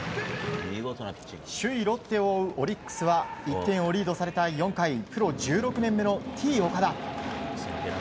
首位ロッテを追うオリックスは１点をリードされた４回プロ１６年目のＴ‐岡田。